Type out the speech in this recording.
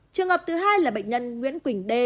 trường hợp thứ hai là bệnh nhân nguyễn quỳnh đê